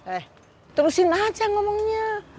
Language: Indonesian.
eh terusin aja ngomongnya